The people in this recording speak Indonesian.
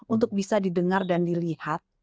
untuk bisa didengar dan dilihat